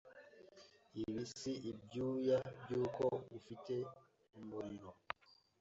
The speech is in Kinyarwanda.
Ibi si ibyuya by’uko ufite umuriro,